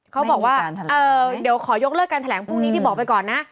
เขาบอกว่าเดี๋ยวขอยกเลิกการแถลงพรุ่งนี้ที่บอกไปก่อนนะ